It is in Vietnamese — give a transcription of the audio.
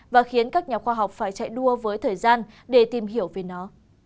và khiến các nhà khoa học phải chạy đua với thời gian để tìm hiểu về nó